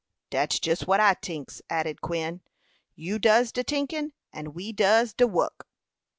"Dat's jus what I tinks," added Quin. "You does de tinkin, and we does de wuck."